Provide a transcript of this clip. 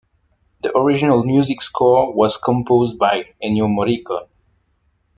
The original music score was composed by Ennio Morricone.